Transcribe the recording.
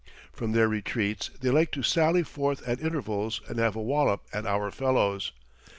From their retreats they like to sally forth at intervals and have a wallop at our fellows.